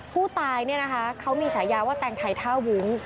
ผู้ตายเนี่ยนะคะเขามีฉายาว่าแตงไทยท่าวุ้ง